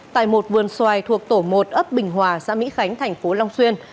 tại một vườn xoài thuộc tổ một ấp bình hòa xã mỹ khánh tp long xuyên